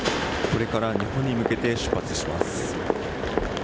これから日本に向けて出発します。